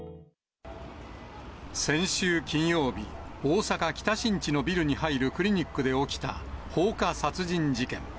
先週金曜日、大阪・北新地のビルに入るクリニックで起きた放火殺人事件。